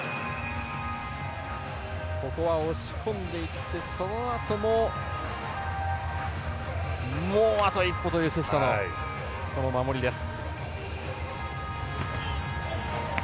ここは押し込んでいってそのあともうあと一歩という関田の守りです。